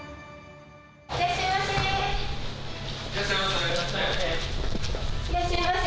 いらっしゃいませ。